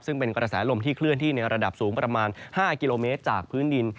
ซึ่งเป็นกระแสลมที่เคลื่อนที่ในระดับสูงประมาณ๕กิโลเมตรจากพื้นดิน